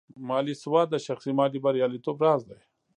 مالي سواد د شخصي مالي بریالیتوب راز دی.